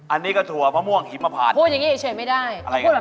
อันนี้ก็ถั่วมะม่วงหิมพานพูดอย่างนี้เฉยไม่ได้อะไร